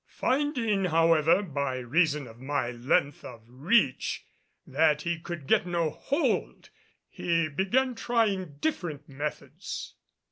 Finding, however, by reason of my length of reach that he could get no hold, he began trying different methods.